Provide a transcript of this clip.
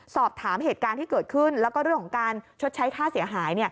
สอบถามเหตุการณ์ที่เกิดขึ้นแล้วก็เรื่องของการชดใช้ค่าเสียหาย